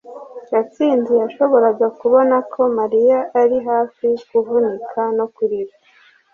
gatsinzi yashoboraga kubona ko mariya ari hafi kuvunika no kurira